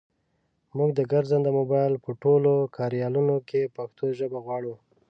مونږ د ګرځنده مبایل په ټولو کاریالونو کې پښتو ژبه غواړو.